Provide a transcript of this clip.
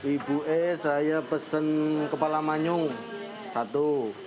ibu saya pesan kepala manyu satu